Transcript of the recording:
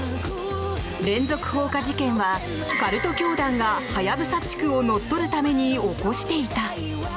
連続放火事件はカルト教団がハヤブサ地区を乗っ取るために起こしていた。